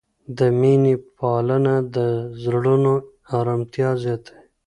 د مینې پالنه د زړونو آرامتیا زیاتوي.